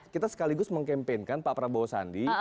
kita sekaligus mengkampenkan pak prabowo sandi